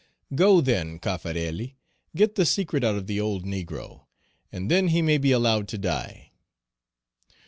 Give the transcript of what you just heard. "Go, then, Cafarelli, get the secret out of the old negro, and then he may be allowed to die."